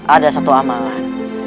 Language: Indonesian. ada satu amalan